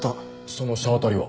その車当たりは？